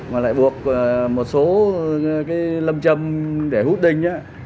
mà lại buộc một số cái lâm châm để hút đinh á